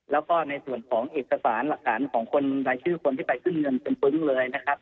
แล้วก็ในส่วนของเอกสารหลักฐานของคนรายชื่อคนที่ไปขึ้นเงินเป็นปึ้งเลยนะครับ